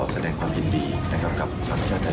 และมาเดินสำหรับประชาชน